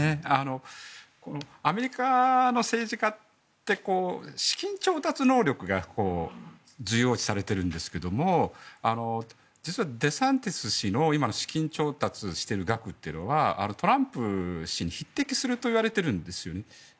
アメリカの政治家って資金調達能力が重要視されているんですけれども実はデサンティス氏の今の資金調達の額というのはトランプ氏に匹敵するといわれているんですよね。